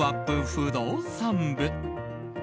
不動産部。